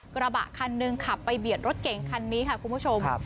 กระบะคันหนึ่งขับไปเบียดรถเก่งคันนี้ค่ะคุณผู้ชม